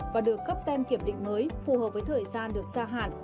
và được cấp tem kiểm định mới phù hợp với thời gian được gia hạn